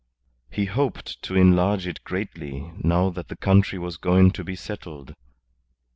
He hoped to enlarge it greatly now that the country was going to be settled.